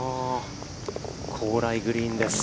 高麗グリーンです。